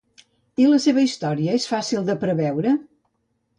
I la seva història és fàcil de preveure?